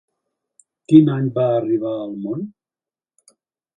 Quin any va arribar al món?